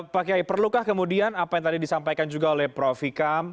pak kiai perlukah kemudian apa yang tadi disampaikan juga oleh prof ikam